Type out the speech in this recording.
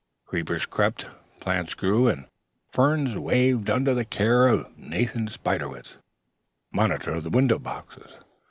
Creepers crept, plants grew, and ferns waved under the care of Nathan Spiderwitz, Monitor of the Window Boxes.